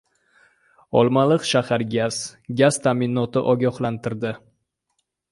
“Olmaliqshahargaz” gaz ta’minoti ogohlantirdi